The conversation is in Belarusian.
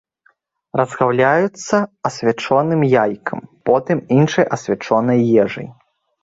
Разгаўляюцца асвячоным яйкам, потым іншай асвячонай ежай.